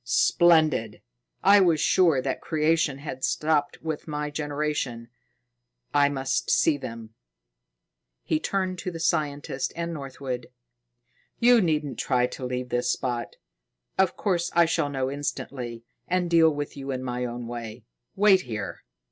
"Splendid! I was sure that creation had stopped with my generation. I must see them." He turned to the scientist and Northwood. "You needn't try to leave this spot. Of course I shall know instantly and deal with you in my own way. Wait here."